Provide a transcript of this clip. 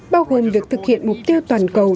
bao gồm việc thực hiện mục tiêu toàn cầu